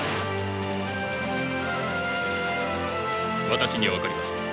私には分かります。